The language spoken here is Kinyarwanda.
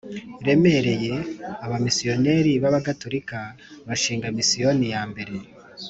remereye abamisiyonari b Abagatolika gushinga misiyoni ya mbere